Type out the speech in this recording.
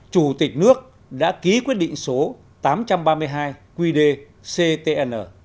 chủ tịch nước đã ký quyết định số tám trăm ba mươi hai qd ctn